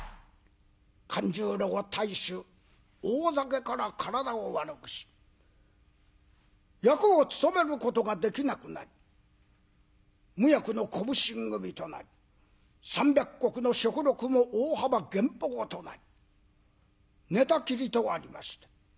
勘十郎は大酒大酒から体を悪くし役を務めることができなくなり無役の小普請組となり３００石の小禄も大幅減俸となり寝たきりとありました。